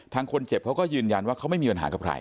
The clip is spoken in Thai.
คนเจ็บเขาก็ยืนยันว่าเขาไม่มีปัญหากับใคร